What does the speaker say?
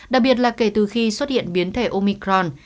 đặc biệt là kể từ khi xuất hiện biến thể omicron